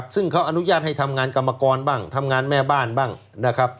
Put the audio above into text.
ซึ่งเขาอนุญาตให้ทำงานกรรมกรทำงานแม่บ้าน